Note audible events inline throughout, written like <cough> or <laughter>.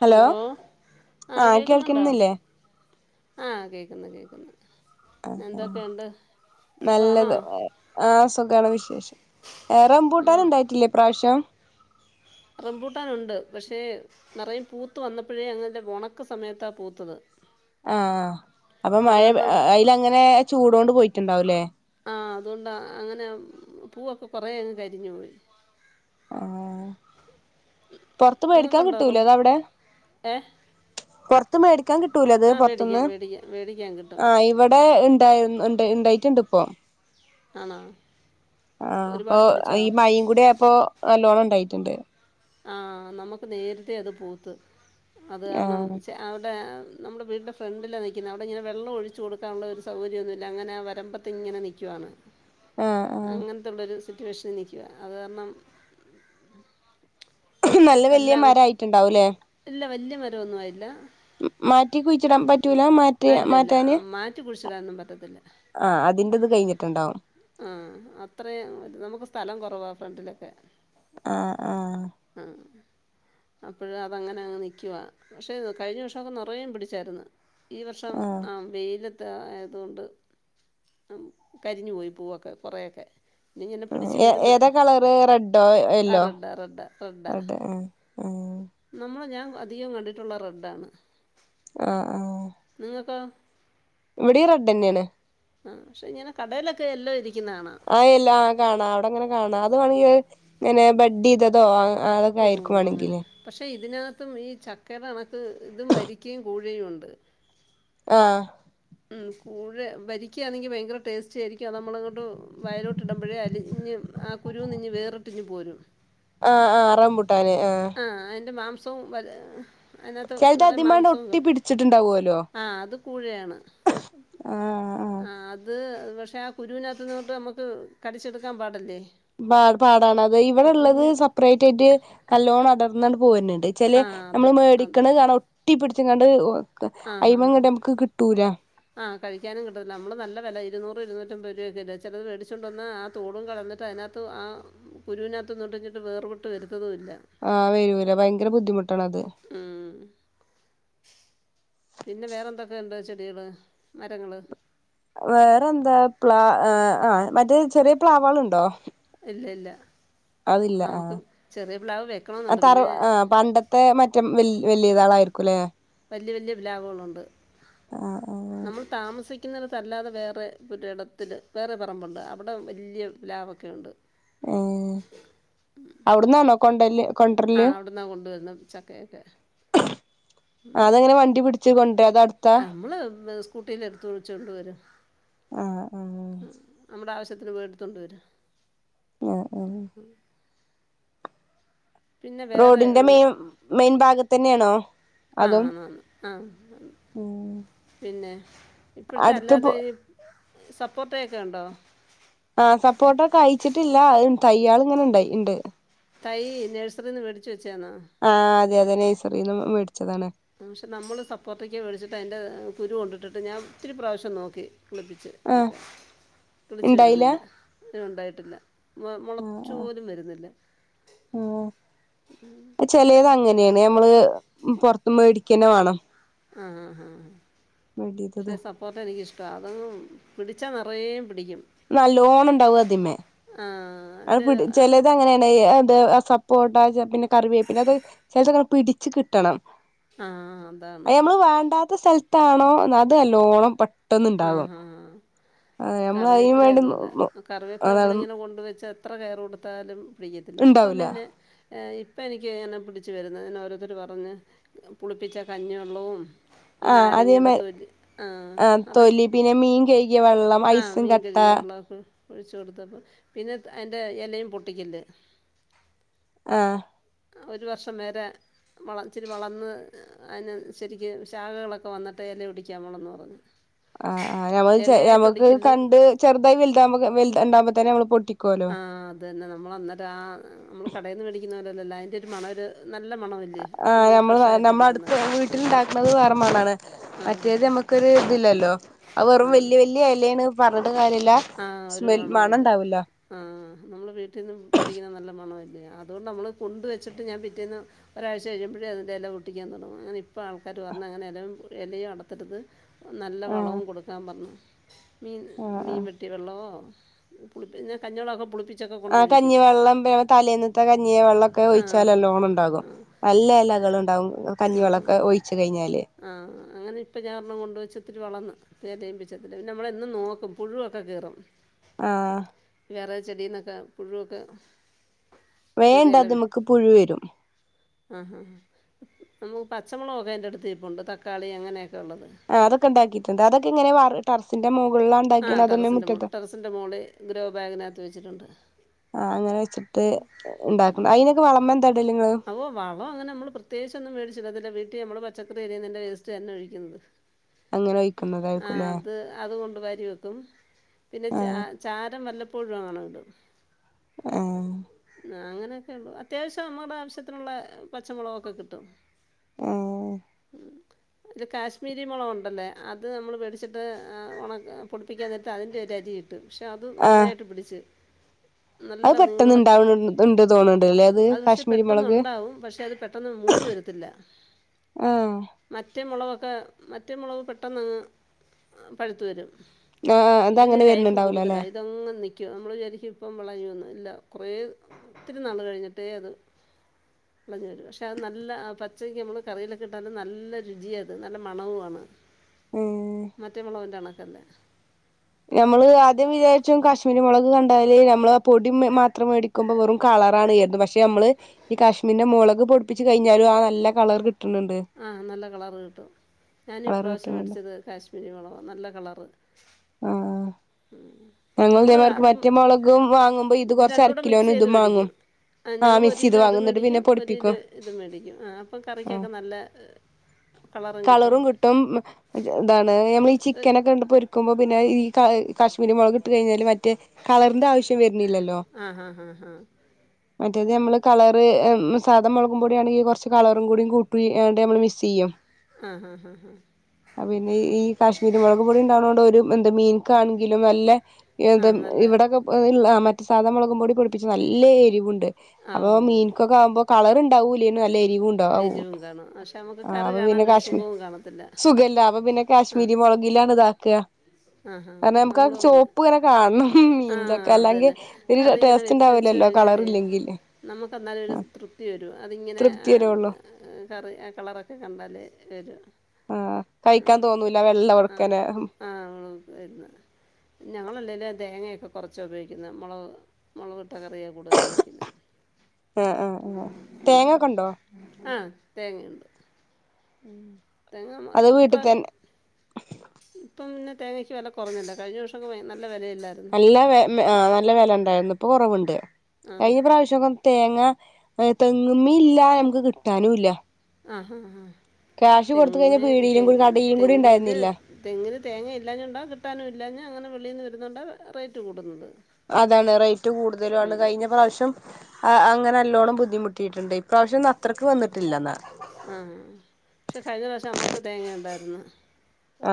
Hello ആഹ് കേൾക്കുന്നില്ലേ? ആഹ കേക്കുന്നു കേക്കുന്നു. ആ സുഖമാണോ നല്ലത് ആ സുഖമാണ് വിശേഷം ഏ റംബൂട്ടാൻ ഉണ്ടായിട്ടില്ലേ ഇപ്രാവശ്യം. റംമ്പുട്ടാനുണ്ട് പക്ഷേ നിറയേ പൂത്ത് വന്നപ്പോഴേ അങ്ങനല്ല ഉണക്ക സമയത്താ പൂത്തത്. ആഹ് അപ്പൊ അത് മഴ കാരണം അതിൽ അങ്ങനെ ചൂടൊണ്ട് പോയി. ഉണ്ടാവുല്ലേ? ആ അതുകൊണ്ടാ അങ്ങനെ പൂവൊക്കെ കുറെേ അങ്ങ് കരിഞ്ഞു പോയി. ആഹ് പൊറത്ത് മേടിക്കാൻ നിങ്ങൾക്കുണ്ടോ കിട്ടൂലേ റംബൂ അതവിടെ ഏ പൊറത്ത് മേടിക്കാൻ കിട്ടൂലേ അത് ആ പൊറത്തുന്ന് മേടിക്കാം മേടിക്കാം മേടിക്കാൻ കിട്ടും ആ ഇവിടെ ഉണ്ടായി ഇണ്ടായിട്ടുണ്ട് ഇപ്പോ. ആണോ? ആ അപ്പൊ ഒരുപാട് പിടിച്ചോ ഈ മഴയും കൂടി അപ്പൊ നല്ലോണം ആയിട്ടുണ്ട്. ആഹ് നമുക്ക് നേരത്തെേ അത് പൂത്ത്. അത് കാരണം ആഹ് ച അവിടെ നമ്മുടെ വീടിന്റെ ഫ്രണ്ടിലാ നിൽക്കുന്നേ അവിടെ ഇങ്ങനെ വെള്ളം ഒഴിച്ച് കൊടുക്കാനുള്ള ഒരു സൗകര്യമൊന്നുമില്ല അങ്ങനെ വരമ്പത്ത് ഇങ്ങനെ നിൽക്കുവാണ്. ആഹ് ആഹ് അങ്ങനത്തുള്ളൊരു സിറ്റേഷനി നിക്കുവാ അത് കാരണം നല്ല വലിയ മരായിട്ടുണ്ടാവൂല്ലേ? മരം ഒന്നും ആയില്ല. മ് മാറ്റി കുഴി ര- ആ, ഇല്ല ഇല്ല ആ, മാറ്റി കുഴിച്ചിടാനൊന്നും പറ്റത്തില്ല ആഹ് അത്രെയും നമുക്ക് സ്ഥലം കൊറവാ ഫ്രണ്ടിലൊക്കെ ആഹ് ആഹ് അപ്പഴ് അത് അങ്ങനെ അങ്ങ് നിക്കുവാ പക്ഷേ കഴിഞ്ഞ വർഷൊക്കെ നെറെയെ പിടിച്ചായ്ര്ന്ന് ഈ വർഷം ആഹ് വെയിലെ ത്ത് ആയതോണ്ട് അം കരിഞ്ഞ് പോയി പൂവൊക്കെ കൊറയൊക്കെ ഉം എ ഏ ഏതാ കളെറ് റെഡ്ഡോ? ആ യെല്ലോ? റെഡാ റെഡാ റെഡാ റെഡ്ഡ് എ ഏ നമ്മൾ ഞാൻ അധികം കണ്ടിട്ടുള്ളെ റെഡ്ഡ് ആണ് അഹ് ആഹ് ഇവിടെ റെഡ്ഡെന്നേണ് ആഹ് പക്ഷെ ഇങ്ങനെ കടേലെക്കെ എല്ലാ ഇരി ആഹ് യെല്ലാം കാണാം അവടെങ്ങനെ കാണാ ഇത് മാണെങ്കി ഇങ്ങനെ ബഡ്ഡ് ചെയ്തതോ ആഹ് അതൊക്കെ ഓ ആയിരിക്കും വാണെങ്കി അങ്ങനെ ലെ പക്ഷേ ഇതിനകത്തും ഈ ചക്കര കണക്ക് ഇതും വരിക്കെയും കൂഴയുണ്ട് ആഹ് ഉം കൂഴ വരിക്കെയാണെങ്കി ഭയങ്കര ടേസ്റ്റായിരിക്കും അത് നമ്മളോട് വായിലോട്ട് ഇടമ്പഴേ അലിഞ്ഞ് ആഹ് കുരൂന്നിഞ്ഞ് വേറിട്ടിഞ്ഞ് പോരൊള്ളു ആഹ്. ആഹ് റംബുട് ആഹ് അയ്ന്റെ മാം തും <unintelligible> അയ്നത്ത് ചെലത് നറയെ അതിമ്മാണ്ട് ഒട്ടി മാംസവും പിടിച്ചിട്ടുണ്ടാവോലോ <unintelligible> ആഹ് അത് കൂയേണ് ആഹ് അത് പക്ഷേ ആ കുരുവിനകത്തു നിന്നങ്ങോട്ട് നമുക്ക് കടിച്ചെടുക്കാൻ പാടല്ലേ <unintelligible> പാടാണ് അത ആ ഇവിടെള്ളത് കുഞ്ഞ് സെപ്പറേറ്റ് ആയിട്ട് കല്ലോണം <unintelligible> പോവന്നെ ചെലെ ആ അത് നമ്മള് മേടിക്കണ കാണാം ഒട്ടിപി ച്ച് ങ്ങണ്ട് ആഹ് ഹാ ആഹ് ആഹ് കഴിക്കാനും കിട്ടൂല അമ്മള് നല്ല വെല ഇരുന്നൂറ് ഇരുന്നൂ <unintelligible> ചെലര് വെടിച്ചൊണ്ടന്നാ ആഹ് തോടും കളഞ്ഞിട്ട് അയ്നത്ത് ആഹ് കുരുവിനകത്ത്ന്നിട്ടിഞ്ഞിട്ട് വേർവിട്ട് വരും ആഹ് വരൂല ഭയങ്കെര ബുദ്ധിമുട്ടാണ് അത് ഉം. പിന്നെ വേറെ എന്തൊക്കെണ്ട് ചെടികള്, മരങ്ങള് വേറെ എന്താ പ്ല ആഹ് മറ്റേ ചെറ്യേ പ്ലാവേള് ഇണ്ടോ? ഇല്ല ഇല്ല അതില്ല നമുക്ക് ചെറിയ പ്ലാവ് ആഹ് വെക്കണമെന്നുണ്ട് തറ പിന്നെ ആഹ് പണ്ടത്തെ മറ്റെ വ വലിയതആള ആയിരിക്കുംല്ലേ വലിയ വല്യ ബലാഗുകളുണ്ട് ആ ആ നമ്മൾ താമസി ക്കുന്നിടത്തല്ലാതെ വേറെ പുരെടത്തില് വേറെ പറമ്പോണ്ട് അവിടെ വല്യ പ്ലാവോ ക്കെ ണ്ട് ഉം അവിട്നന്നോ കൊണ്ടല്ല് ആഹ് അവിടന്നാ കൊണ്ടുവരുന്ന ചക്കയക്കെ അതെങ്ങനെ വണ്ടി പിടിച്ച് കൊണ്ടര അത് അടുത്താ നമ്മള് സ്കൂട്ടിൽ എടുത്തച്ചോണ്ടരും ആ നമ്മുടെ ആവ ത്തിന് പേടുത്തൊണ്ട് വരും ആ ആ പിന്നെ വേറെ റോഡിന്റെ മെയിൻ മെയിൻ ഭാഗ തന്നെയാണോ ആ അതൊ ആന്ന് ആന്ന് ആ ഉം പിന്നെ ഇപ്പോഴത്തെ അല്ലാതെ ഈ സപ്പോർട്ട ഒക്കെ ഉണ്ടോ ആ സപ്പോർട്ടക്കയ്ച്ചിട്ടില്ല അ തയ്യാൾ ഇങ്ങനെണ്ടായി ഇണ്ട് തൈ നേഴ്സറിന്ന് മേടിച്ച് വെച്ചാന്നോ മച്ചതാണ് പക്ഷെ നമ്മള് സപ്പോർട്ടക്കെ മേടിച്ചിട്ട് അതിൻ്റെ കുരു കൊണ്ടിട്ടിട്ട് ഞാൻ ഒത്തിരി പ്രാശ്യം നോക്കി കിളിപ്പിച്ച് ആ എടുക്കാൻ കിളിച്ചു ഉണ്ടായില്ല വരുന്നില്ല പിന്നെ ഉണ്ടായിട്ടില്ല മ ആ മൊളച്ചു പോലും വരുന്നില്ല ആ ഇപ്പ ചെലേത് അങ്ങനേണ് ഞമ്മള് ഉം പൊറ് മേടിക്കന്നെ വാണം ആഹ് ആ ആഹ് വേണ്ടിയത് പക്ഷെ സപ്പോട്ട എനിക്കിഷ്ടവാ അതും പിടിച്ചാ നറയെ നല്ലൊണണ്ടാവു അതിമേ ആ അത് അതിൻ്റെ ഒരു പിടി ചെലേത് അങ്ങനേണ് എ എന്ത് ആ സപ്പോട്ട ജ പിന്നെ കറിവേപ്പിന്റെ അത് ചെലതൊക്കെ പിടിച്ച് കിട്ടണം ആഹ് അതാണ് ത്താണോ അത് നല്ലോണം പെ ആഹ് ആ നമ്മള് അതിന് കറിവേപ്പില വേണ്ടി അതുവല്ല കറിവേപ്പില അതാണ് നമ്മളിങ്ങനെ കൊണ്ടുവെച്ച എത്ര കെയർ കൊടുത്താലും വെയ്യത്തില്ലെ ഇപ്പം ഉണ്ടാവൂല പിന്നെ ഏ ഇപ്പം എനിക്ക് ഇങ്ങനെ പുടിച്ച് വരുന്നത്ങ്ങനെ ഓരോരുത്തര് പറഞ്ഞ് പുളിപ്പിച്ച കഞ്ഞിവെള്ളവും ഈ ആഹ് നാരങ്ങയുടെ അതേമാരി തൊലി ആഹ് തൊലി പിന്നെ മീൻ കഴ്കിയ വൾ ആ മീൻ കഴുകിയ വെള്ളൊക്കെ ഒഴിച്ചു കൊടുത്തപ്പം പിന്നെ അതിൻ്റെ എലയും പൊട്ടിക്കില്ലേ ആഹ് ഒരു വർഷം വരെ വള ഇച്ചിരി വളർന്ന് അതിന് ശരിക്കും ശാഖകളൊക്കെ വന്നിട്ട് ഇല പിടിക്കാം ഒള്ളന്നു പറഞ്ഞു ആഹ് ആ ഞമ്മൾ ഇലയായിട്ട് ഞമ്മക്ക് ഒടിക്കല്ല് കണ്ട് ചെറുതായി വലുതാവുമ്പോ വൽതാ ണ്ടാവു തന്നെ നമ്മൾ പൊട്ടി ആഹ് അതന്നെ നമ്മൾ അന്നേരം ആ നമ്മൾ കടയിൽന്ന് മേടിക്കുന്നോരെ അല്ല അതിന്റെ ഒരു മണം ഒരു നല്ല മണമില്ലേ ആഹ് നമ്മള് നമ്മൾ ഫ്രഷായിട്ട് നമ്മളടുത്ത് എടുക്കുന്നത് വീട്ടില്ണ്ടാക്കണത് വേറെ മണാണ് ആ മറ്റേത് നമ്മുക്കൊരു ഇതില്ലല്ലോ അത് വെറും വല്യ വല്യ ഇലേണ് പറ ആഹ് ഒരു മണവും ഇല്ല ആഹ് നമ്മള് വീട്ടിൽന്ന് പൊട്ടിക്കുന്ന നല്ല മണം ആയിരി അല്ല അതുകൊണ്ട്‌ നമ്മള് കൊണ്ട്‌ വച്ചിട്ട് ഞാൻ പിറ്റേന്ന് ഒരാഴ്ച കഴിയുമ്പോഴേ അതിൻ്റെ എല പൊട്ടിക്കാൻ തുടങ്ങു അങ്ങനെ ഇപ്പോൾ ആൾക്കാര് പറഞ്ഞാ അങ്ങനെ ഇല എലയും അടത്തരുത് നല്ല ആഹ് വളവും കൊടുക്കാൻ പറഞ്ഞു മീൻ ആഹ് ആഹ് മീൻ വെ പുളിപ്പിഞ്ഞ കഞ്ഞിവെള്ളൊക്കെ പുളിപ്പി പുളിപ്പിച്ചൊക്കെ ആ കൊണ്ടൊഴിക്കും കഞ്ഞിവെള്ളം തലേന്നത്ത കഞ്ഞിയ വെള്ളം ഒക്കെ ആ ഒഴിച്ചാല് നല്ലോണം ണ്ടാകും ആ നല്ല ഇലകള്ണ്ടാ ണ്ടാവുന്ന് കഞ്ഞിവെള്ളൊക്കെ ഒഴിച്ച് കഴിഞ്ഞാ ആഹ് അങ്ങനെ ഇപ്പം ഞാഒരെണ്ണം കൊണ്ട്‌വെച്ച് ഒത്തിരി വളർന്ന് തേമ്പിച്ചേർത്തിട്ട് നമ്മളെന്നും നോക്കും പുഴുവൊക്കെ കേറും ആഹ് വേറ ചെടീന്നൊക്കെ പുഴുവൊക്കെ കീറി ഇല വേണ്ടത് വി മ്മക്ക് പുഴു വരും ആ ഹാ ഹാ നമക്ക് പച്ചമുളകൊക്കെ അതിൻ്റെ അടുത്ത് കൊണ്ട് തക്കാളി അങ്ങനെയൊക്കെ ഉള്ളത് ആഹ്തൊക്കെ ഇണ്ടാക്കിയിട്ടണ്ട് അതൊക്കെ ഇങ്ങനെ ടറസിന്റെ മൊക ആ ടെറസിന്റമോള്ള് ടെറസെന്റമോള് ഗ്രോ ബാഗിനകത്ത് വെച്ചിട്ടുണ്ട് ആ അങ്ങനെ വെച്ചിട്ട് ഉണ്ടാക്കണം അതിനൊക്കെ വളം എന്താ ഇടല് നിങ്ങള് അവ വളം അങ്ങനെ നമ്മള് പ്രത്യേകിച്ചൊന്നും മേടിച്ചിട വീട്ടിൽ നമ്മള് പച്ചക്കറി അരിയുന്നതിന്റെ വേസ്റ്റ് തന്നെ ഒഴിക്കുന്നത് അങ്ങനെ ആ ഒഴിക്കുന്നതായിരിക്കുംല്ലേ അത് <unintelligible> പിന്നെ ച ആഹ് ചാരം വല്ലപോ പ്പോഴും അങ്ങനെ ഇടും ആഹ് ആ അങ്ങനെയൊക്കെ ഉള്ളു അത്യാവശ്യം നമ്മടെ ആവശ്യത്തിനുള്ള പച്ചമുളകൊക്കെ കിട്ടും. എഹ് ഒരു കാശ്മീരി മൊളക് ഒണ്ടല്ലേ അ അത് നമ്മള് മേടിച്ചിട്ട് ഏ ഉണക് പൊടിപ്പിക്കാൻ നേരത്ത് അതിന്റെ ഒരു അരി ഇ ട്ട് പക്ഷേ അത് ആഹ് നല്ലയായിട്ട് പിടിച്ച് അത് നല്ല പെട്ടെന്ന് നീളത് ഇണ്ടാവണ് ഉണ്ട് തോന്നുന്നുണ്ടല്ലേ അത് പക്ഷേ കാശ്മീരി പെട്ടന്ന് മുളക് ഉണ്ടാവും, പക്ഷെ അത് പെട്ടെന്ന് മൂത്ത് വരത്തില്ല, ആഹ് മറ്റേ മുളകൊ ക്കെ മറ്റെ മുളക് പെട്ടെന്ന് അങ്ങ് പഴുത്ത് വരും. ആഹ് അത് ഇതിന് അങ്ങനെ ലൈഫ് വരുന്നുണ്ടാവൂല അല്ലെ കൂടുതലാ, ഇതങ്ങ് നിക്കും, നമ്മള് ശരിക്കും ഇപ്പം വിളഞ്ഞു വന്നു ഇല്ല. കൊറേ ഒത്തിരി നാള് കഴിഞ്ഞിട്ടേ അത് വിളഞ്ഞ് വരൂ, പക്ഷേ അത് നല്ല പച്ചയ്ക്ക് നമ്മൾ കറിയിലൊക്കെ ഇട്ടാൽ നല്ല രുചിയാ അത്, നല്ല മണവുവാണ്. ഉം മറ്റേ മുളവിന്റാണ്. <unintelligible> നമ്മള് ആദ്യം വിചാരിച്ചു കാശ്മീരി മൊളക് കണ്ടാല് നമ്മൾ പൊടി മ് മാത്രം മേടിക്കുമ്പോ വെറും കളറാണ്, <unintelligible> പക്ഷേ നമ്മള് ഈ കാശ്മീരിന്റെ മൊളക് പൊടിപ്പിച്ച് കഴിഞ്ഞാലും ആ നല്ല കളർ കിട് ആഹ് നല്ല കളറ് കിട്ടും, ഞാനും കളർ ഇപ്രാവശ്യം കിട്ടുന്നുണ്ട് അടിച്ചത് കാശ് <unintelligible> നല്ല കളറ്. ആഹ് ഞങ്ങൾ നമ്മൾ ഇതേമാർക്ക് അതും മറ്റേ മൊളകും വാങ്ങുമ്പോ ഇത് കൊറച്ച് രണ്ടും അര കൂടെ മിക്സ് കിലോനും ചെയ്ത് ഇതും വാങ്ങും മേടിക്കും ആ ഞങ്ങൾ ഒരു മിക്സ് ചെയ്ത് കിലോ അത് വാങ്ങും, ന്നട്ട് പിന്നെ മേടിക്കും ഒരു പൊടിപ്പിക്കും, കിലോ ഇത് മേടിക്കും ആ അപ്പം ആഹ് കറിക്കൊക്കെ നല്ല കളറും കിട്ടും മ് ഇതാണ് നമ്മൾ ഒരു ചിക്കനൊക്കെ ഇങ്ങട് പൊരിക്കുമ്പോ പിന്നെ ഈ ക ഇ കാശ്മീരി മൊളക് ട്ട് കയിഞ്ഞാല് മറ്റേ കളറിന്റെ ആവശ്യം വര്ണില്ലല്ലോ, ആ ഹാ ഹാ ഹാ മറ്റേത് നമ്മള് കളറ് എഹ് മ് സാധാ മൊളകുംപൊടി ആണെങ്കി കൊറച്ച് കളറും കൂടി കൂട്ടി ന്ന്ട്ട് നമ്മൾ മിക്സ്‌ ചെയ്യും. ആ ഹാ ഹാ ഹാ അ പിന്നെ ഈ കാശ്മീരി മൊളക് പൊടി ഇണ്ടാവണോണ്ട് ഒരു മ് ത് മീന്ക്കാണെങ്കിലും നല്ലെ ആ എന്താ മ് നല്ല ഇവിടൊക്കെ പ ഇള്ള മറ്റ് സാധാ മൊളകും പൊടി പൊടിപ്പിച്ച് നല്ല എരിവുണ്ട്. ആ അപ്പോ ഓ മീനക്കൊക്കെ ആമ്പോ കളർ ഇണ് <unintelligible> അല്ലേ <unintelligible> വുണ്ടാവും എരിവും കാണും പക്ഷെ നമുക്ക് ആ കറി അപ്പോ പിന്നെ കാണാനൊരു കാശ്മി സുഖവും കാണത്തില്ല സുഖല്ലേ അപ്പോ പിന്നെ ആ കാശ്മീരി മൊളകിലാണ് ഇതാക്ക ആഹാ കാരണം മ്മക്കാ നമ്മളും ചോ അങ്ങനെ ആ അത്തന്നെ ഒരു കറിങ്ങനെ ടേസ്റ്റ് വെച്ച് വെച്ച് ഉണ്ടാവില്ലല്ലോ കളർ കഴിഞ്ഞാലേ ഇല്ലെങ്കിൽ നമുക്ക് എന്നാലും ഒരു ആ തൃപ്തി വരും അതിങ്ങനെ തൃപ്തി ആ വരേള്ളൂ ഹെ കറി ആ കളറൊക്കെ കണ്ടാല് വരും. ആഹ് കഴിക്കാൻ തോന്നൂല വെള്ള ആ വറുക്കന ആ <unintelligible> ഞങ്ങളല്ലേലേ തേങ്ങ <unintelligible> കൊറച്ച ഉപയോഗിക്കുന്നെ മൊളക് മൊളക് ഇട്ട കറിയാ കൂടുതലും വയ്ക്കുന്നെ. ആഹ് ആഹ് ആഹ് തേങ്ങ ഒക്കെ ഉണ്ടോ ആ തേങ്ങയുണ്ട് ഉം തേങ്ങ <unintelligible> ഇപ്പൊ ഇപ്പം പിന്നെ തേങ്ങക്ക് വില കുറഞ്ഞല്ലോ കഴിഞ്ഞ വർഷം <unintelligible> നല്ല വെ <unintelligible> ആ നല്ല വെല ഉണ്ടായിരുന്നു ഇപ്പൊ കുറവുണ്ട് ആ കഴിഞ്ഞ പ്രാവശ്യം ഒക്കെ തേങ്ങ തെങ്ങ്മ്മീല്ലാ നമുക്ക് കിട്ടാനുംല്ല ഹാ ഹ ഹാ കഴിഞ്ഞാൽ തെങ്ങ്മ്മേ പീടിയിലും കൂടി കടയിലും കൂടി തെങ്ങില് ഉണ്ടായിരുന്നില്ല തെങ്ങില് തേങ്ങ ഇല്ലാഞ്ഞ <unintelligible> കിട്ടാനും ഇല്ലാഞ്ഞ അങ്ങനെ വെളീന്ന് <unintelligible> <unintelligible> റേറ്റ് കൂടുന്നത് അതാണ് റേറ്റ് കൂടുതലും ആണ് ഉം. കഴിഞ്ഞ പ്രാവശ്യം അ അങ്ങനെ നല്ലോണം ബുദ്ധിമുട്ട് മുട്ടിയിട്ടുണ്ട് ഇപ്രാവശ്യംന്ന അത്രക്ക് വന്നിട്ടില്ലന്ന ആ പക്ഷെ കഴിഞ്ഞ പ്രാവശ്യം നമുക്ക് തേങ്ങ ഉണ്ടായിരുന്നു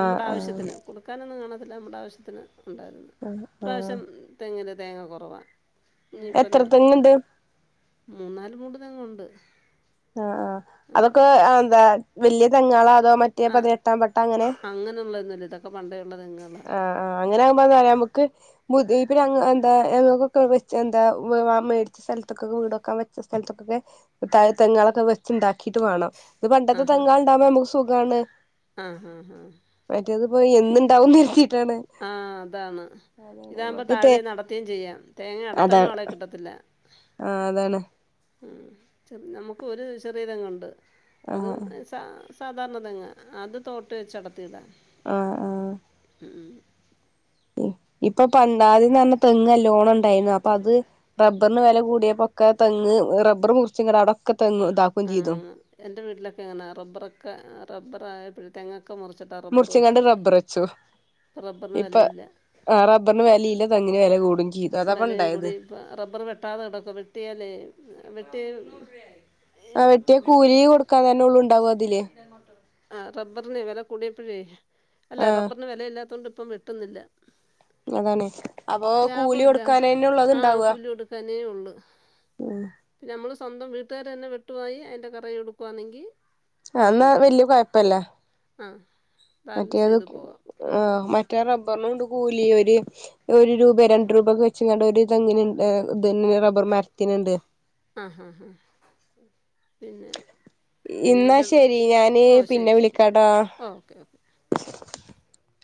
ആഹ് ആഹ് ആവശ്യത്തിന് കൊടുക്കാനൊന്നും കാണത്തി അത്‌ നമ്മുടെ ആവശ്യത്തിന് ഉണ്ടായിരുന്നു ആഹ് ആഹ് ഇപ്രാവശ്യം തെങ്ങില് തേങ്ങ കൊറവാ എത്ര തെങ്ങ്ണ്ട് മൂന്നാല് മൂട് തെങ്ങുണ്ട് ആഹ് ആഹ് അതൊക്കെ അ എന്താ വല്ല്യ തെങ്ങേളാ അതോ മറ്റേ ആ പതിനെട്ടാം പട്ട അങ്ങനെ അങ്ങനെയുള്ളതൊന്നുമില്ല ഇതൊക്കെ പണ്ടേ ഉള്ള തെങ്ങുകളാണ് ആഹ്ആഹ് അങ്ങനെ ആകുമ്പോ എന്താറിയൊ <unintelligible> തെങ്ങ്കളൊക്കെ വെച്ചുണ്ടാക്കിയിട്ട് വാണം ഇത് ആ പണ്ടത്തെ ഹാ തെങ്ങേ ളുണ്ടാവുമ്പോ നമ്മക്ക് സുഖാണ് ആ ഹാ ഹാ പ്പൊ എന്നുണ്ടാവുംന്ന് കരുതി ആഹ് അതാണ് ഇതാകുമ്പോ നമുക്ക് തേ താഴെന്ന് അടർതേം ചെയ്യാം തേങ്ങ അടർത്താനും അതാണ് ആളെ കിട്ടത്തില്ല ആഹ് അതാണ് നമുക്ക് ഒരു ചെറിയ തെങ്ങുണ്ട് അത് ആഹ് <unintelligible> സാധാരണ തെങ്ങാണ് അത് തോട്ടി വെച്ചടത്തിയിട ആ ആഹ് ഇപ്പൊ പണ്ടാതിൻ പറഞ്ഞ തെങ്ങ് നല്ലോണ ണ്ടായിരുന്നു അപ്പോ അത് പ റബറിന് വില കൂടിയപ്പൊക്കെ തെങ്ങ് റബറ് മുറിച്ചുങ്ങാണ്ട് അടൊക്കെ ആ എന്റെ വീട്ടിലൊക്കെ അങ്ങനാ റബ്ബറൊക്കെ റബ്ബറായപ്പഴും തെങ്ങൊക് മുറിച്ചങ്ങാണ്ട് റബ്ബർ വെച്ചു ഇപ്പം റബ്ബറിന് ഇപ്പൊ വിലയില്ല ആ റബ്ബറിന് വെലയില്ല തെങ്ങി ന് വെല കൂടും ചെ വെലയും കൂടി ഇപ്പോ റബ്ബർ വെട്ടാതെ കിടക്കുവ വെട്ടിയാല്ലേ വെട്ടി ആ വെട്ടിയ കൂലി കൊടുക്കാൻ തന്നെ ഉള്ളു ഉണ്ടാവും അതില് ആ റബ്ബറിന് വെല കൂടിയപ്പോഴേ അല്ല റബ്ബറിന് വെലയില്ലാതോണ്ട് ഇ ഇപ്പം വെട്ടുന്നില്ല ളതാണെ അപ്പോ കൂ പുല്ല ആ കൂലികൊടുക്കാനേ ഒള്ള് ഉം പിന്നെ നമ്മള് സ് സ്വന്തം വീട്ടുകാര് തന്നെ വെട്ടുവായി അയിന്റെ കറെയെടുക്കുവാന്നെങ്കി- ആ എന്നാ വല്യ കൊഴപ്പല്ല- ആഹ് മറ്റേ അത് മറ്റേ റബ്ബറിനുണ്ട് കൂലി - ഓര് ഒരു രൂപ രണ്ട് രൂപ ഒക്കെ വെച്ചങ്ങാണ്ട് ഒരു ഇതങ്ങനെ ഇ ഇത് റബ്ബർ മരത്തിനുണ്ട്- ആഹ് ഹാ ഹാ പിന്നെ പിന്നെ ഇന്നാ എന്റെ ശരി ഞാന് ഓ പിന്നെ ശരി ശരി വിളിക്കാട്ടാ ഓക്കെ -